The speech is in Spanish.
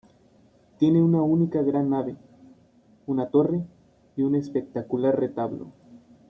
Tiene una única gran nave, una torre y un espectacular retablo.